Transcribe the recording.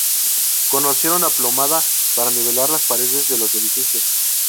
Conocieron la plomada para nivelar las paredes de los edificios.